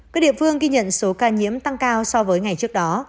các địa phương ghi nhận số ca nhiễm tăng cao so với ngày trước đó